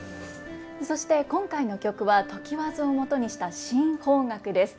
そして今回の曲は常磐津をもとにした新邦楽です。